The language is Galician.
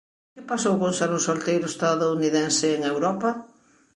E que pasou con ser un solteiro estadounidense en Europa?